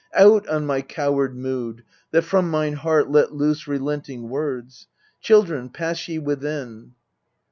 Out on my coward mood That from mine heart let loose relenting words ! Children, pass ye within.